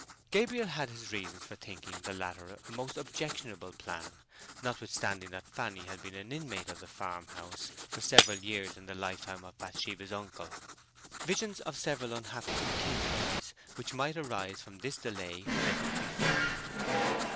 Gabriel had his reasons for thinking the latter a most objectionable plan, notwithstanding that Fanny had been an inmate of the farm house for several years in the lifetime of Bathsheba's uncle. Visions of several unhappy contingencies which might arise from this delay flitted before him.